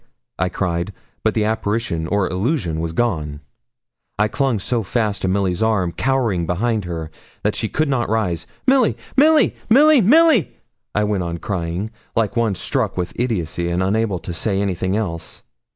I cried. But the apparition or illusion was gone. I clung so fast to Milly's arm, cowering behind her, that she could not rise. 'Milly! Milly! Milly! Milly!' I went on crying, like one struck with idiotcy, and unable to say anything else.